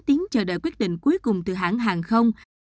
sau bốn tiếng chờ đợi quyết định cuối cùng từ hãng hàng không